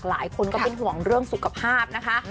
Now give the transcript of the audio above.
หลายคนก็เป็นห่วงเรื่องสุขภาพนะคะ